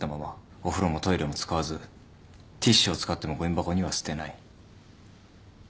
お風呂もトイレも使わずティッシュを使ってもごみ箱には捨てない。